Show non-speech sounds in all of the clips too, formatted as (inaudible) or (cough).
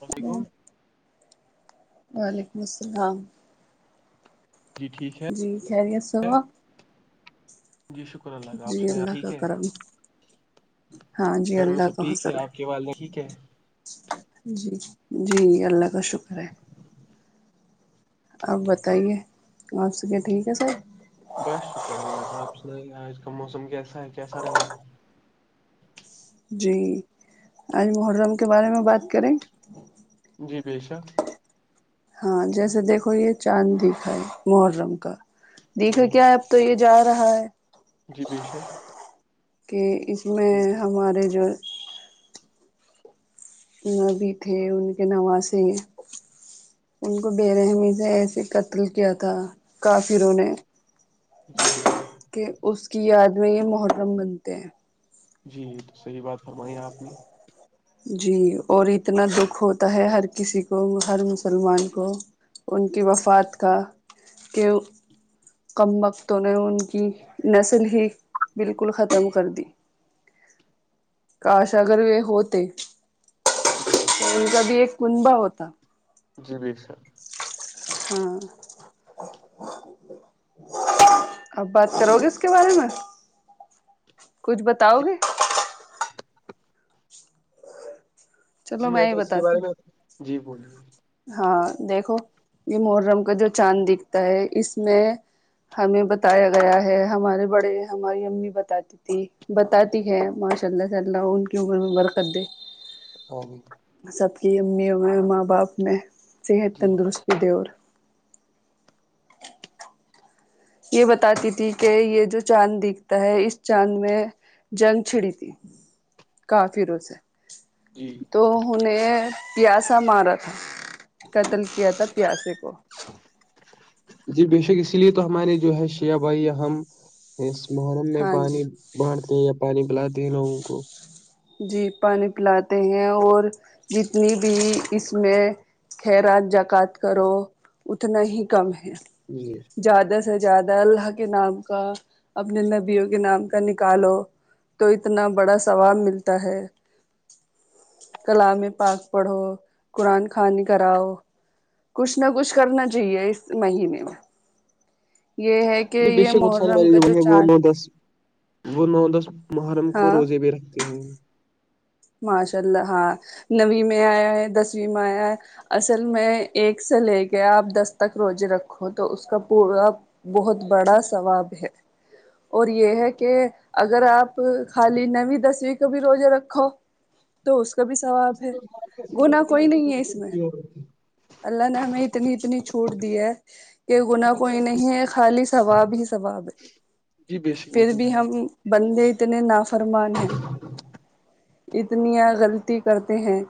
السلام علیکم وعلیکم السلام جی ٹھیک ہے جی خریت سے ہو آپ جی شکر اللہ کا جی آپ سنیں اللہ کا ٹھیک ہے کرم ہاں جی گھر میں اللہ سب کا ٹھیک حضل ہے آپ کے والدہ ٹھیک ہے جی جی جی اللہ کا شکر ہے آپ بتائیے آپ سے کیا ٹھیک ہے سب بس شکر اللہ کا آپ سنائیے آج کا موسم کیسا ہے کیسا رہے گا جی آج محرم کے بارے میں بات کریں جی بے شق ہاں جیسے دیکھو یہ چاند دکھ ہے محرم کا دیکھے جی کیا اب تو یہ جا رہا ہے جی بے شک کہ اس میں یہ تو ہمارے جو ہے نبی تھے انکے نواسے ان کو بے رحمی سے ایسے قتل کیا تھا کافروں نے جی کے اس کی یاد میں یہ محرم بنتے ہیں جی صحیح بات فرمائی آپ نے جی اور اتنا دکھ ہوتا ہے ہر کسی کو ہر مسلمان کو انکی وفات کا کہ کم بقتوں نے ان کی نسل ہی بالکل ختم کر دی کاش اگر وہ ہوتے تو ان کا بھی ایک کنبا ہوتا جی بے شک ہاں اب بات کرو گے اس کے بارے میں کچھ بتاؤ گے جی چلو میں ہی تو اس کے بتاتی بارے ہوں میں جی بولیے ہاں دیکھو یہ محرم کا جو چاند دکھتا ہے اس میں ہمیں بتایا گیا ہے ہمارے بڑے ہماری امی بتاتی بتاتی ہے ماشاء اللہ سے اللہ ان کی عمر میں برکت دے (unintelligible) سب کی امیوں میں ماں باپ میں صحت جی تندرستی دے اور یہ بتاتی تھی کہ یہ جو چاند دکھتا ہے اس چاند میں جنگ چھڑی تھی کافروں سے جی تو انھیں پیاسا مارا تھا قتل کیا تھا پیاسے کو جی بے شک اسی لیے تو ہمارے جو ہے شیع بھائی یا ہم اس محرم میں ہاں جی پانی بانٹتے ہیں یا پانی پلاتے ہیں لوگوں کو جی پانی پلاتے ہیں اور جتنی بھی اس میں خیرات جکات کرو اتنا ہی کم ہے جی زیادہ سے زیادہ اللہ کے نام کا اپنے نبیوں کے نام کا نکالو تو اتنا بڑا ثواب ملتا ہے کلام پاک پڑھو قرآن خوانی کراؤ کچھ نہ کچھ کرنا چاہیے اس مہینے میں یہ ہے کہ جی بے یہ شک بہت سارے محرم والے کا لوگ جو ہیں وہ چاند نو دس وہ نو دس محرم کو ہاں روزے بھی رکھتے ہیں ماشاء اللہ ہاں نویں میں آیا ہے دسویں میں آیا ہے اصل میں ایک سے لے کے آپ دس تک روزے رکھو تو اس کا پورا بہت بڑا ثواب ہے اور یہ ہے کہ اگر آپ خالی نویں دسویں کو بھی روزے رکھو تو اس کا بھی ثواب ہے گناہ کوئی نہیں ہے اس میں اللہ نے ہمیں اتنی اتنی چھوٹ دی ہے یہ گناہ کوئی نہیں ہے خالی ثواب ہی ثواب جی بے ہے شک وہ پھر تو ہے بھی ہم بندے اتنے نافرمان ہیں اتنیاں غلطی کرتے ہیں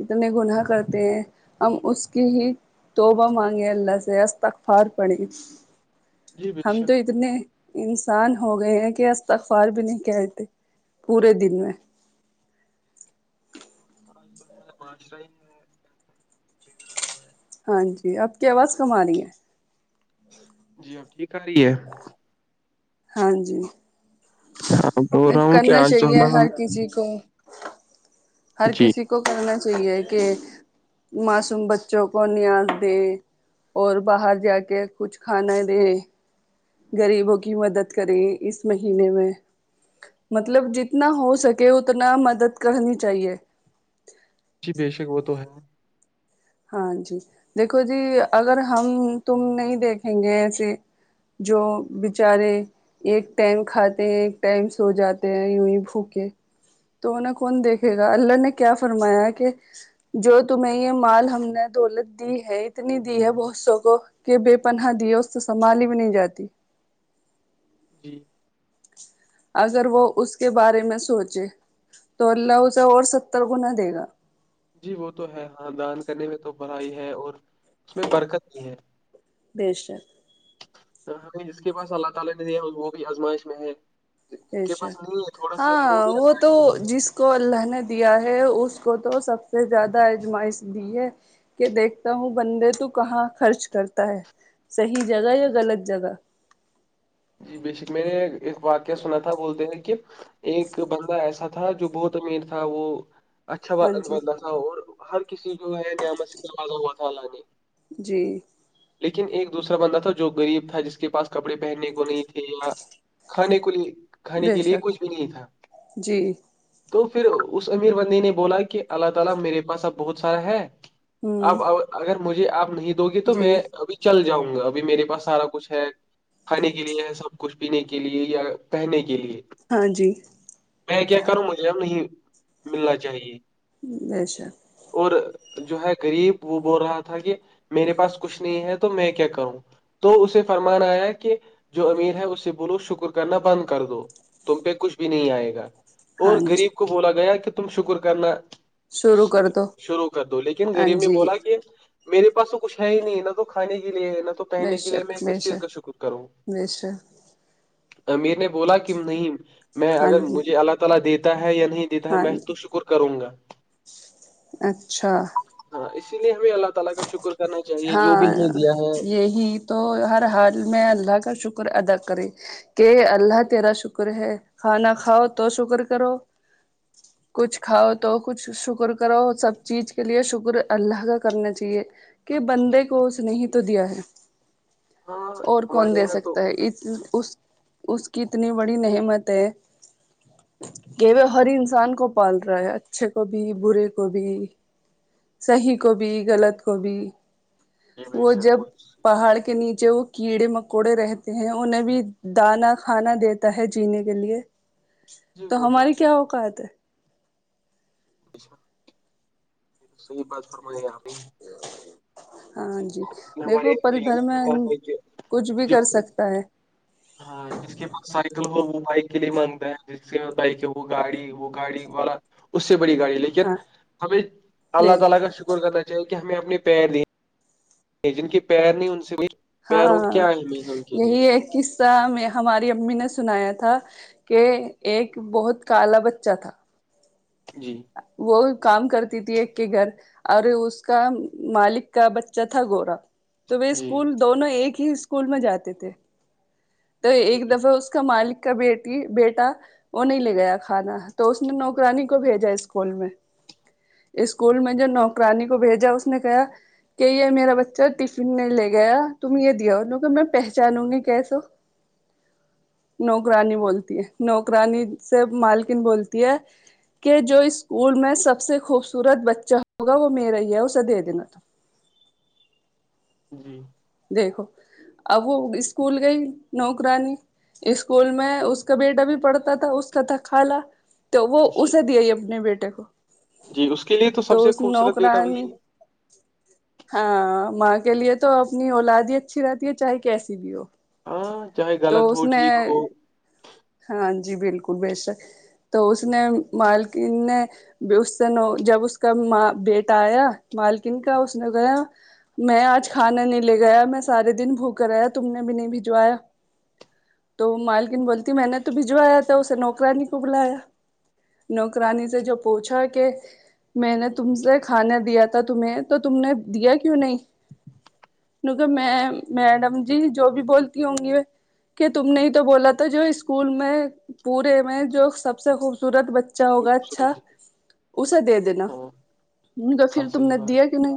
اتنے گناہ کرتے ہیں ہم اس کے ہی توبہ مانگے اللہ سے استغفار پڑھے جی بے ہم تو شک اتنے انسان ہو گئے ہیں استغفار بھی نہیں کہتے پورے دن میں آج تو ہمارا معاشرا ہی ہے بگڑا وہ ہے ہاں جی آپ کی آواز کم ارہی ہے جی اب ٹھیک آ رہی ہے ہاں جی ہاں بول رہا ہوں کہ کرنا آج چاہیے جوا ہر کسی کو ہر کسی کو کرنا چاہیے کہ معصوم بچوں کو نیاز دے اور باہر جا کے کچھ کھانا دیں غریبوں کی مدد کریں اس مہینے میں مطلب جتنا ہو سکے اتنا مدد کرنی چاہیے جی بے شک وہ تو ہے ہاں جی دیکھو جی اگر ہم تم نہیں دیکھیں گے ایسے جو بچارے ایک ٹائم کھاتے ہیں ایک ٹائم سو جاتے ہیں یوں ہی بھوکے تو انہیں کون دیکھے گا اللہ نے کیا فرمایا کہ جو تمہیں یہ مال ہم نے دولت دی ہے اتنی دی ہے بہت سو کو کہ بے پنہا دیے اس سے سنبھالی بھی نہیں جاتی جی اگر وہ اس کے بارے میں سوچے تو اللہ اسے اور ستر گنا دے گا جی وہ تو ہے ہاں دان کرنے میں تو بڑا ہی ہے اور اس میں برکت بھی ہے بے شک ہمیں جس کے پاس اللہ تعالی نے دیا وہ بھی ازمائش میں ہے بے کے پاس شک نہیں ہے تھوڑا سا یہ وہ بھی ازمائش کے لیے ہے اس کو اللہ نے دیا ہے اس کو تو سب سے زیادہ اجمائش دی ہے کہ دیکھتا ہوں بندے تو کہاں خرچ کرتا ہے صحیح جگہ یا غلط جگہ جی بے شک میں نے ایک واقعہ سنا تھا بولتے ہیں کہ ایک بندہ ایسا تھا جو بہت امیر تھا وہ اچھا ہاں جی بنتا تھا اور ہر کسی جو ہے نعمت سے نبازا ہوا تھا اللہ نے جی لیکن ایک دوسرا بندہ تھا جو غریب تھا جس کے پاس کپڑے پہننے نہیں تھے یا کھانے کو لیے کھانے بے کے لیے شک کچھ بھی نہیں تھا جی تو پھر اس امیر بندے نے بولا کہ اللہ تعالی میرے پاس اب بہت سارا ہے ہوں آپ اگر مجھے آپ نہیں دو گے تو جی میں ابھی چل جاؤں گا ابھی میرے پاس سارا کچھ ہے کھانے کے لیے سب کچھ پینے کے لیے یا پہنے کے لیے ہاں جی میں کیا کروں مجھے اب نہیں ملنا چاہیے اچھا اور جو ہے غریب وہ بول رہا تھا کہ میرے پاس کچھ نہیں ہے تو میں کیا کروں تو اسے فرمان آیا کہ جو امیر ہے اس سے بولو شکر کرنا بند کر دو تم پہ کچھ بھی نہیں آئے گا ہاں اور جی غریب کو بولا گیا کہ تم شکر کرنا شروع کر دو شروع کر دو لیکن ہاں غریب نے جی بولا کہ میرے پاس تو کچھ ہے ہی نہیں نہ تو کھانے کے لیے ہے نہ تو بے پہننے کے لیے شک میں بے کس چیز کا شک شکر کروں (unintelligible) امیر نے بولا کہ نہیں میں ہاں اگر جی مجھے اللہ تعالی دیتا ہے یا نہیں تا ہے ہاں میں جی تو شکر کروں گا اچھا ہاں اسی لیے ہمیں اللہ تعالی کا شکر کرنا چاہیے جو ہاں بھی ہمیں دیا ہے یہی تو ہر حال میں اللہ کا شکر ادا کرے کہ اللہ تیرا شکر ہے کھانا کھاؤ تو شکر کرو کچھ کھاؤ تو کچھ شکر کرو سب چیز کے لیے شکر اللہ کا کرنا چاہیے کہ بندے کو اس نے ہی تو دیا ہے ہاں اور کون ہمارے دے یہاں تو سکتا ہے اس اس اس کی اتنی بڑی نعمت ہے کہ ہر انسان کو پال رہا ہے اچھے کو بھی برے کو بھی صحیح کو بھی غلط کو بھی جی بے وہ شک جب تو صحیح بات پہاڑ کے نیچے کیڑے مکوڑے رہتے ہیں انہیں بھی دانا کھانا دیتا ہے جینے کے لیے جی تو وہ ہماری ہے کیا اوقات ہے صحیی بات فرمائی اپ نے ہاں جی دیکھو ہمارے یہاں پل تو یہی بھر میں ہوتا ہے کہ کچھ بھی جو کر سکتا ہے ہاں جس کے پاس سائیکل ہو وہ بائک کے لیے مانگتا ہے جس کے بائک وہ گاڑی وہ گاڑی والا اس سے بڑی گاڑی لیکن ہاں ہمیں ب اللہ تعالی کا شکر کرنا چاہیے کہ ہمیں اپنے پیر دی جن کے پیر نہیں ان سے بھی پیروں ہاں کیا اہمی ہیں ان کے لیے یہی ایک قصہ ہمیں ہماری امی نے سنایا تھا کہ ایک بہت کالا بچہ تھا جی وہ کام کرتی تھی ایک کے گھر اور اس کا مالک کا بچہ تھا گورا تو وہ جی اسکول دونوں ایک ہی اسکول میں جاتے تھے تو جی ایک دفعہ اس اس کا مالک کا بیٹی بیٹا وہ نہیں لے گیا کھانا تو اس نے نوکرانی کو بھیجا اس اسکول میں اسکول میں جو نوکرانی کو بھیجا اس نے کہا کہ یہ میرا بچہ ٹفن نہیں لے گیا تم یہ دیا ان لو کو میں پہچانوں گی کیسو نوکرانی بولتی ہے نوکرانی سے مالکن بولتی ہے کہ جو اسکول میں سب سے خوبصورت بچہ ہوگا وہ میرا ہی اسے دے دینا جی دیکھو اب وہ اسکول گئی نوکرانی اسکول میں اس کا بیٹا بھی پڑھتا تھا اس کا تھا کالا تو وہ جی اسے دیا ہی اپنے بیٹے کو جی اس کے لیے تو سب سے اس خوبصورت بیٹا نوکرانی وہی ہے ہاں ماں کے لیے تو اب انی اولادی اچھی رہتی ہے چاہے کیسی بھی ہو ہاں چاہے تو غلط اس ہو نے ٹھیک ہو ہاں جی بالکل بیشک تو اس نے مالکین نے اس سے ن جب اس کا ماں بیٹا آیا مالکن کا اس نے گیا میں آج کھانا نہیں لے گیا میں سارے دن بھوکا رہا تم نے بھی نہیں بھجوایا تو مالکن بولتی میں نے تو بھجوایا تھا اسے نوکرا نی کو بلایا نوکرانی سے جو پوچھا کہ میں نے تم سے کھانے دیا تھا تمہیں تو تم نے دیا کیوں نہیں ک میں میڈم جی جو بھی بولتی ہوں گی کہ تم نے تو بولا تو جو اسکول میں پورے میں جو سب سے خوبصورت بچ چا ہوگا اچھا خوبصورت جی اسے دے دینا ہاں ان کا ہاں پھر تم صحیح نے بات دیا کیوں نہیں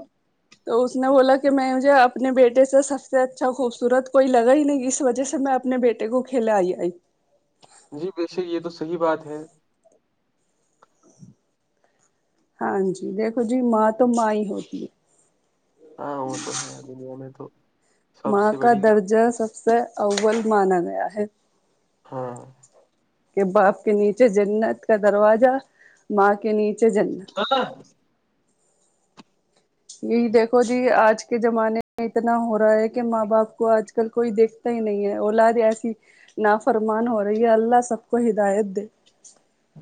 تو اس نے بولا کہ میں مجھے اپنے بیٹے سے سب سے اچھا خوبصورت کوئی لگا ہی نہیں اس وجہ سے میں اپنے بیٹے کو کھیلا آئی آئی جی بے شک یہ تو صحیح بات ہے ہاں جی دیکھو جی ماں تو ماں ہی ہوتی ہے ہاں وہ تو ہے دنیا میں تو سب ماں سے کا بڑی درجہ سب سے اول مانا گیا ہے ہاں کہ باپ کے نیچے جنت کا دروازہ ماں کے نیچے جنت ه یہی دیکھو جی آج کے زمانے اتنا ہو رہا ہے کہ ماں باپ کو آج کل کوئی دیکھتا ہی نہیں ہے اولاد ایسی نافرمان ہو رہی ہے اللہ سب کو ہدایت دے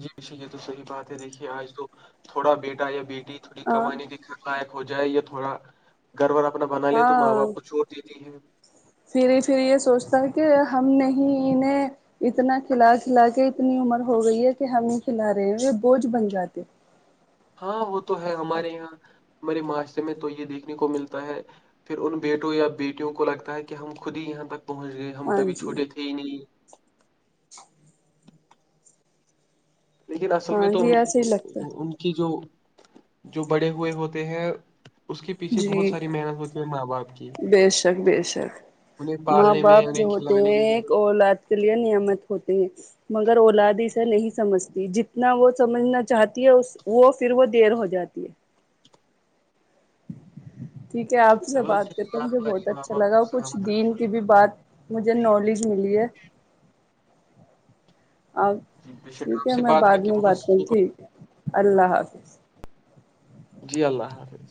جی جی یہ تو صحیح بات ہے دیکھیے آج تو تھوڑا بیٹا یا بیٹی تھوڑی ہاں کمانے کے لائق ہو جائے یا تھوڑا گھر وھر اپنا بنا لے تو ماں ہاں باپ کو چھوڑ دیتی ہے پھر ہی پھر یہ سوچتا ہے کہ ہم نہیں انہیں اتنا کھلا کھلا کے اتنی عمر ہو گئی ہے کہ ہم ہی کھلا رہے ہیں بوجھ بن جاتے ہاں وہ تو ہے ہمارے یہاں ہمارے معاشرے میں تو یہ دیکھنے کو ملتا ہے پھر ان بیٹوں یا بیٹیوں کو لگتا ہے کہ ہم خود ہی یہاں تک پہنچ گئے ہم ہاں کبھی جی چھوٹے تھے ہی نہیں لیکن اصل میں ہاں تو ان جی ایسے ہی لگتا ہے ان کی جو جو بڑے ہوئے ہوتے ہیں اس کے پیچھے جی بہت ساری محنت ہوتی ہے ماں باپ کی بے شک بے شک انہیں ماں پالنے میں باپ جو انہیں ہوتے کھلانے ہیں میں ایک اولاد لیے نعمت ہوتے ہیں مگر اولاد ایسا نہیں سمجھتی جتنی نا وہ سمجھنا چاہتی ہے اس وہ پھر وہ دیر ہو جاتی ہے ٹھیک ہے آپ سے چلو جی بات کر کے اللہ مجھے بہت ہمارے ماں اچھا باپ لگا کو اور کچھ سلامت دین رکھے کی بھی بات مجھے نالج ملی ہے آ جی بے شک ٹھیک آپ ہے سے میں بعد کر کے میں بہت بات کروں سکون- ٹھیک اللہ حافظ جی اللہ حافظ